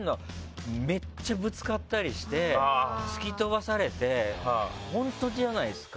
めっちゃぶつかったりして突き飛ばされて本当じゃないですか。